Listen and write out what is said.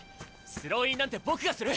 スローインなんて僕がする！